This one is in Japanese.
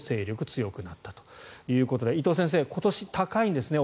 強くなったということで伊藤先生、今年、高いんですね。